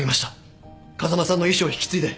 風間さんの意思を引き継いで。